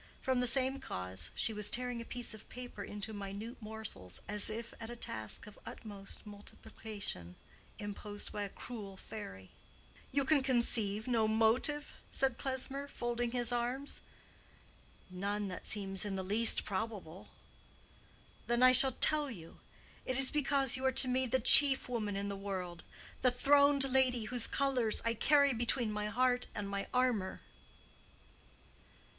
From the same cause she was tearing a piece of paper into minute morsels, as if at a task of utmost multiplication imposed by a cruel fairy. "You can conceive no motive?" said Klesmer, folding his arms. "None that seems in the least probable." "Then I shall tell you. It is because you are to me the chief woman in the world—the throned lady whose colors I carry between my heart and my armor."